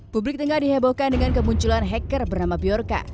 publik tengah dihebohkan dengan kemunculan hacker bernama biorca